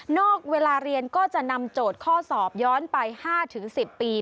เวลาเรียนก็จะนำโจทย์ข้อสอบย้อนไป๕๑๐ปี